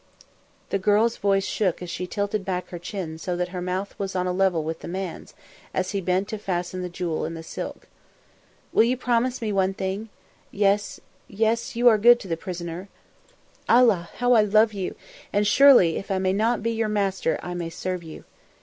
The girl's voice shook as she tilted back her chin so that her mouth was on a level with the man's as he bent to fasten the jewel in the silk. "Will you promise me one thing? Yes! you are good to the prisoner. Allah! how I love you, and surely, if I may not be your master I may serve you.